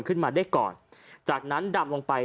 ขึ้นมาได้ก่อนจากนั้นดำลงไป